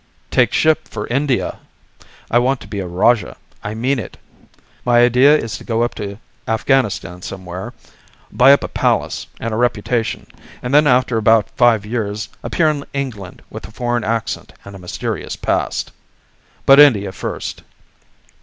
"Take ship for India. I want to be a rajah. I mean it. My idea is to go up into Afghanistan somewhere, buy up a palace and a reputation, and then after about five years appear in England with a foreign accent and a mysterious past. But India first.